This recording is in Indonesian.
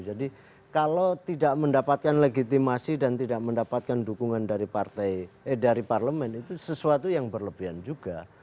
jadi kalau tidak mendapatkan legitimasi dan tidak mendapatkan dukungan dari partai eh dari parlemen itu sesuatu yang berlebihan juga